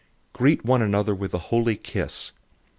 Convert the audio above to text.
013:012 Greet one another with a holy kiss.